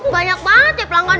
banyak banget ya pelanggan